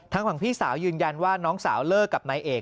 ฝั่งพี่สาวยืนยันว่าน้องสาวเลิกกับนายเอก